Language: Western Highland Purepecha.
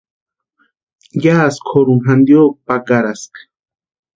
Yásï kʼoruni jantiakʼu pakaraska.